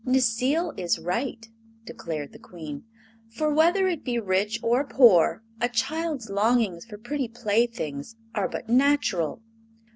"Necile is right," declared the Queen; "for, whether it be rich or poor, a child's longings for pretty playthings are but natural.